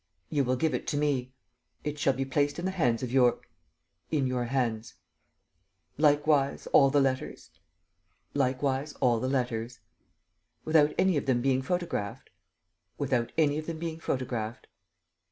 "You will give it to me." "It shall be placed in the hands of Your ... in your hands." "Likewise, all the letters?" "Likewise, all the letters." "Without any of them being photographed?" "Without any of them being photographed."